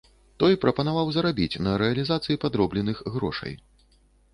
Той прапанаваў зарабіць на рэалізацыі падробленых грошай.